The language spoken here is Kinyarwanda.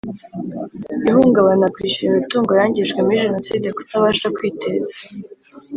Ihungabana kwishyurwa imitungo yangijwe muri Jenoside kutabasha kwiteza